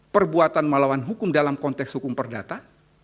perbuatan melawan hukum dalam konteks hukum perdata